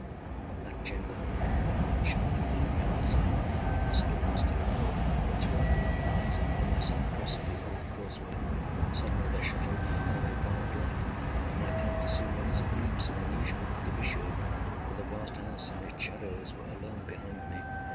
From that chamber, and from that mansion, I fled aghast. The storm was still abroad in all its wrath as I found myself crossing the old causeway. Suddenly there shot along the path a wild light, and I turned to see whence a gleam so unusual could have issued; for the vast house and its shadows were alone behind me.